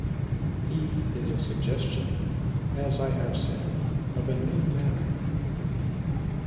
He is a suggestion, as I have said, of a new manner.